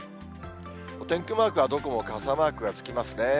お天気マークはどこも傘マークがつきますね。